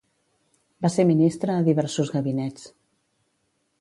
Va ser ministre a diversos gabinets.